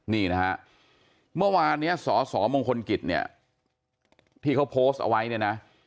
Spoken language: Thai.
นี่นะฮะเมื่อวานเนี่ยสสมงคลกิจเนี่ยที่เขาโพสต์เอาไว้เนี่ยนะ